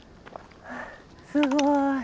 すごい。